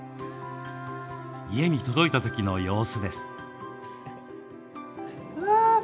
家に届いた時の様子です。